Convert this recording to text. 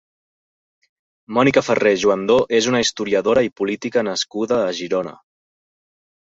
Mònica Ferrer Juandó és una historiadora i política nascuda a Girona.